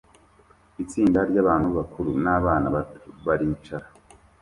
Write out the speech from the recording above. Itsinda ryabantu bakuru nabana bato baricara